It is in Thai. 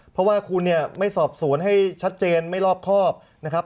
เพราะว่าคุณเนี่ยไม่สอบสวนให้ชัดเจนไม่รอบครอบนะครับ